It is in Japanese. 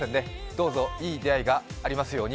どうぞ、いい出会いがありますように。